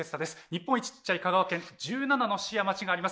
日本一小さい香川県には１７の市や町があります。